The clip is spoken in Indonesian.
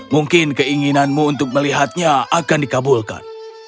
mungkin keinginanmu untuk melihatnya akan dikabulkan